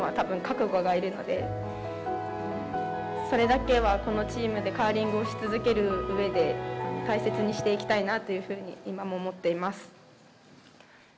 それだけはこのチームでカーリングをし続けるうえで大切にしていきたいなというふうに今も思っています。